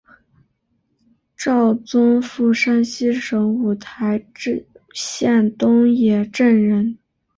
赵宗复山西省五台县东冶镇人。